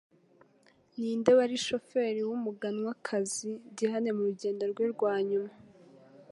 Ninde wari Chauffer wumuganwakazi Diana murugendo rwe rwanyuma